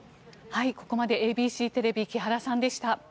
ここまでＡＢＣテレビ木原さんでした。